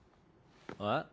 えっ？